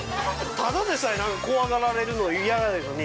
ただでさえなんか怖がられるの嫌やのに。